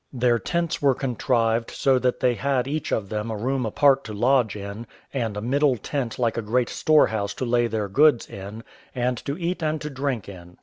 Their tents were contrived so that they had each of them a room apart to lodge in, and a middle tent like a great storehouse to lay their goods in, and to eat and to drink in.